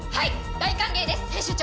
大歓迎です編集長！